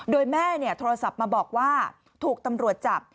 โดยแม่โทรศัพท์มาบอกว่าถูกตำรวจจับ